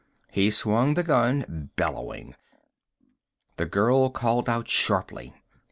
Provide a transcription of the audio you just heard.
He swung the gun, bellowing. The girl called out sharply.